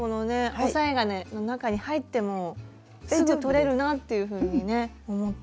押さえ金の中に入ってもすぐ取れるなっていうふうにね思って。